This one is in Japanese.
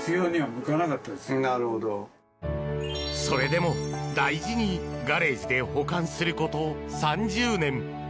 それでも大事にガレージで保管すること３０年。